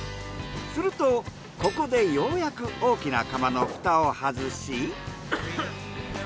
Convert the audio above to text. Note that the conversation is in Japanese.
するとここでようやく大きな釜のフタを外し。